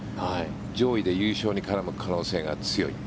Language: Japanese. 上位で優勝に絡む可能性が強い。